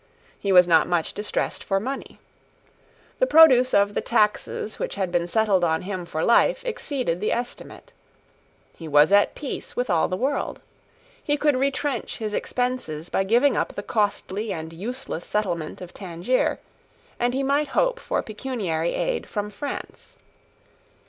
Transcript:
He was not much distressed for money. The produce of the taxes which had been settled on him for life exceeded the estimate. He was at peace with all the world. He could retrench his expenses by giving up the costly and useless settlement of Tangier; and he might hope for pecuniary aid from France.